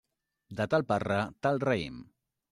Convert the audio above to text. De tal parra, tal raïm.